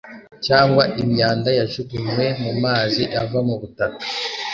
cyangwa imyanda yajugunywe mumazi ava mubutaka.